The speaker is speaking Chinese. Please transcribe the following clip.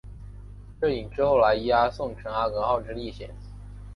这引致后来伊阿宋乘阿格号之历险。